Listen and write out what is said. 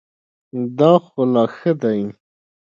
دا خو لا ښه دی .